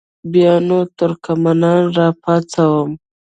بیا نو ترکمنان را پاڅوم.